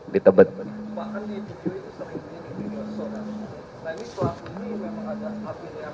di tebet timur dalam satu